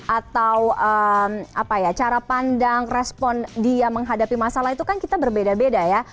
atau cara pandang respon dia menghadapi masalah itu kan kita berbeda beda ya